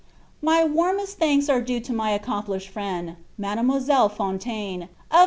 My warmest thanks are due to my accompIislieJ friend, Mademoi selle FaDtaJnr. of